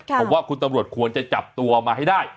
ผมว่าคุณตำรวจควรจะจับตัวมาให้ได้